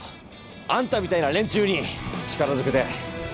あんたみたいな連中に力ずくで。